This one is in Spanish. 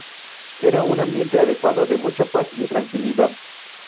Era un ambiente adecuado, de mucha paz y tranquilidad.